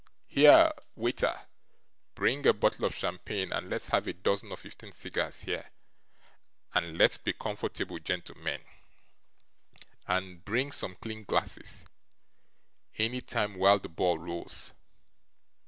Here, wai ter, bring a bottle of champagne, and let's have a dozen or fifteen cigars here and let's be comfortable, gentlemen and bring some clean glasses any time while the ball rolls!